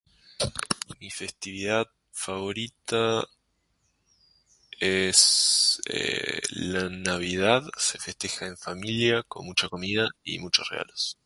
Mi festividad favorita es eeh ... la navidad se festeja en familia con mucha comida y muchos regalos.